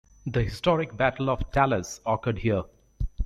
The historic Battle of Talas occurred here.